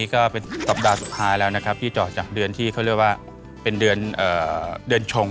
ก็เป็นสัปดาห์สุดท้ายแล้วนะครับที่เจาะจากเดือนที่เขาเรียกว่าเป็นเดือนเดือนชง